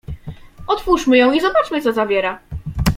— Otwórzmy ją i zobaczmy, co zawiera.